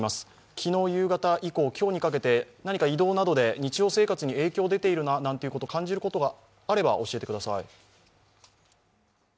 昨日夕方以降、今日にかけて何か移動などで日常生活に影響が出ているなと感じることがあれば教えてください。